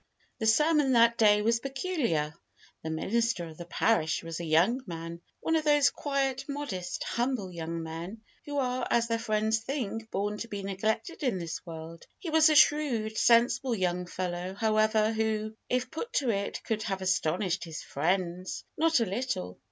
The sermon that day was peculiar. The minister of the parish was a young man; one of those quiet, modest, humble young men, who are, as their friends think, born to be neglected in this world. He was a shrewd, sensible young fellow, however, who, if put to it, could have astonished his "friends" not a little.